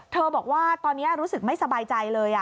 บอกว่าตอนนี้รู้สึกไม่สบายใจเลย